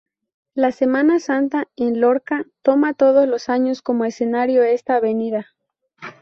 La Semana Santa en Lorca toma todos los años como escenario esta avenida.